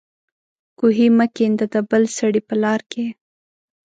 کوهي مه کېنده د بل سړي په لار کې